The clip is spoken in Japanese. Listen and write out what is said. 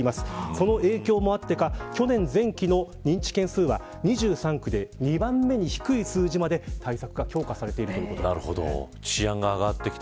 その影響もあってか去年前期の認知件数は２３区で２番目に低い数字まで対策がなるほど。